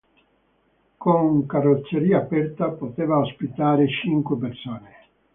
Con carrozzeria aperta, poteva ospitare cinque persone.